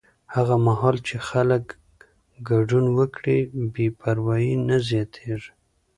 هغه مهال چې خلک ګډون وکړي، بې پروایي نه زیاتېږي.